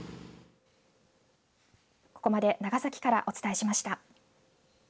ここまで長崎からお伝えしました。